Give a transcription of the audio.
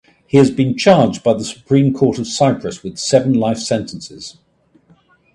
He has been charged by the Supreme Court of Cyprus with seven life sentences.